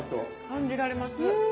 感じられます。